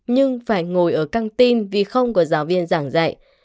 nhưng phải ngồi ở căng tin vì không có giáo viên giảng dạy